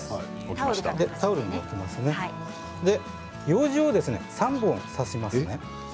ようじを３本刺しますね。